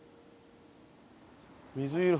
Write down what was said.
水色。